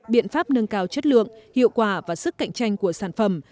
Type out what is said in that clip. biện pháp nâng cao chất lượng hiệu quả và sức cạnh tranh của sản phẩm